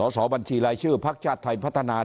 สอบบัญชีรายชื่อพักชาติไทยพัฒนา